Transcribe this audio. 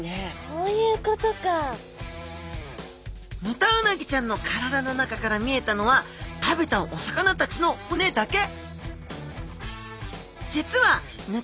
ヌタウナギちゃんの体の中から見えたのは食べたお魚たちの骨だけ！